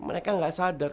mereka gak sadar